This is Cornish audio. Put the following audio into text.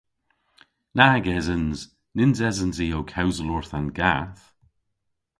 Nag esens! Nyns esens i ow kewsel orth an gath.